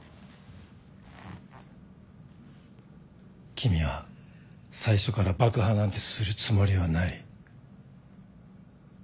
君は最初から爆破なんてするつもりはない。